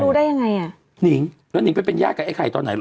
รู้ได้ยังไงอ่ะนิงแล้วนิงไปเป็นญาติกับไอ้ไข่ตอนไหนเหรอ